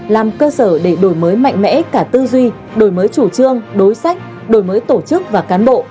làm cơ sở để đổi mới mạnh mẽ cả tư duy đổi mới chủ trương đối sách đổi mới tổ chức và cán bộ